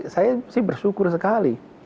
saya bersyukur sekali